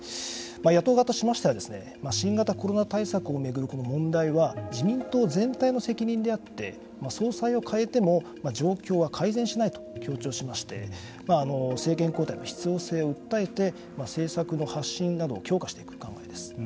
野党側としましては新型コロナ対策を巡る問題は自民党全体の責任であって総裁を替えても状況は改善しないと強調しまして政権交代の必要性を訴えて政策の発信などを強化していく考えです。